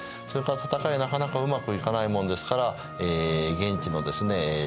それから戦いがなかなかうまくいかないもんですから現地のですね